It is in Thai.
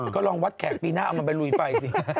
ก็ลองวัดแขกปีหน้าเอามันไปลุยไฟสิ